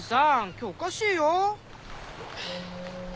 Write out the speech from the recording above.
今日おかしいよ？